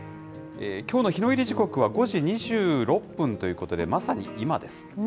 きょうの日の入り時刻は５時２６分ということで、まさに今です。